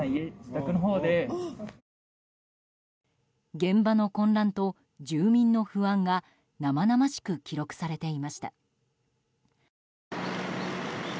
現場の混乱と住民の不安が生々しく記録されていました。